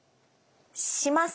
します。